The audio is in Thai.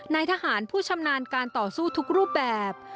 นายทหารผู้ชำนาญการต่อสู้ทุกรูปแบบ